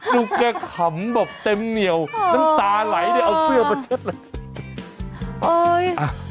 ลูกแกขำแบบเต็มเหนียวน้ำตาไหลเลยเอาเสื้อมาเช็ดเลย